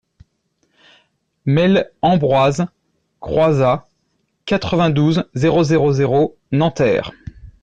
Mail Ambroise Croizat, quatre-vingt-douze, zéro zéro zéro Nanterre